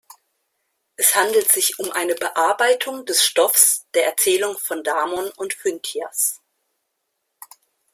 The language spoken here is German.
Es handelt sich um eine Bearbeitung des Stoffs der Erzählung von Damon und Phintias.